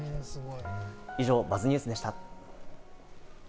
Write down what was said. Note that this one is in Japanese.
以上、「ＢＵＺＺニュース」でした。